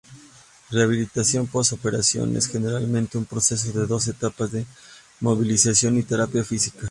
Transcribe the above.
Rehabilitación post-operatoria es generalmente un proceso de dos etapas de inmovilización y terapia física.